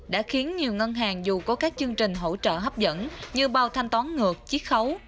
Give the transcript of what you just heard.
đã khiến nhiều ngân hàng dù có các chương trình hỗ trợ hấp dẫn như bao thanh toán ngược chiếc khấu